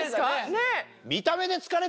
ねっ。